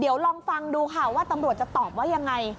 เดี๋ยวลองฟังดูค่ะว่าตำรวจจะตอบว่ายังไง